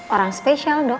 orang spesial dok